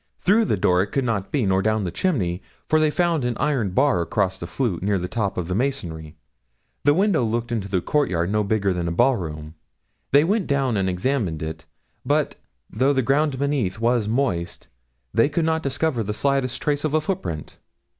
Through the door it could not be, nor down the chimney, for they found an iron bar across the flue, near the top in the masonry. The window looked into a court yard no bigger than a ball room. They went down and examined it, but, though the ground beneath was moist, they could not discover the slightest trace of a footprint.